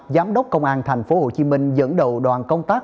giám đốc công an tp hcm dẫn đầu đoàn công tác